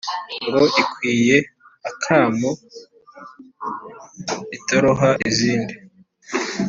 Ngo ikwiye akamo itaroha izindi